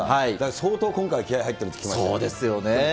相当今回は気合い入ってるって聞そうですよね。